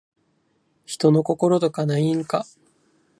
人の心とかないんか